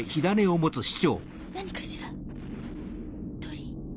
何かしら鳥？